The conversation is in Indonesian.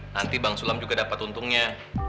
nanti bang sulam juga dapat untungnya